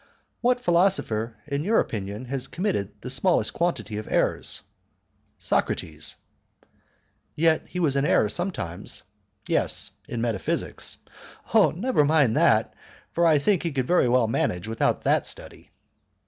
"What philosopher, in your opinion, has committed the smallest quantity of errors?" "Socrates." "Yet he was in error sometimes?" "Yes, in metaphysics." "Oh! never mind that, for I think he could very well manage without that study."